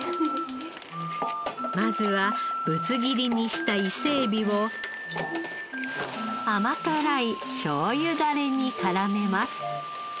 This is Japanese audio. まずはぶつ切りにした伊勢えびを甘辛いしょうゆダレに絡めます。